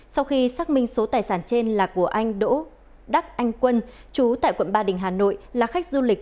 sau khi xác minh số tài sản trên là của anh đỗ đắc anh quân chú tại quận ba đình hà nội là khách du lịch